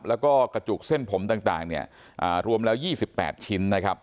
แล้วก็กระจุกเส้นผมต่างเนี่ยรวมแล้ว๒๘ชิ้นนะครับ